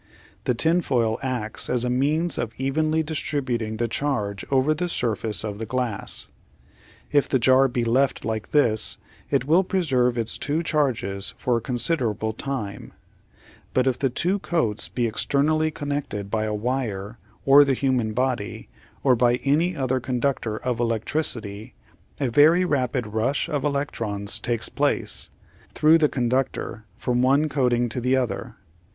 The tinfoil acts as a means of evenly distributing the charge over the surface of the glass. If the jar be left like this it will preserve its two charges for a consider able time, but if the two coats be externally connected by a wire, or the human body, or by any other conductor of elec tricity, a very rapid rush of electrons takes place, through the conductor, from one coating to the other.